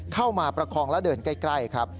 เข้ามาประคองแล้วเดินใกล้ครับ